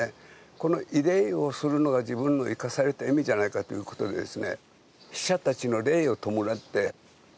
この慰霊をするのが自分の生かされた意味じゃないかということです。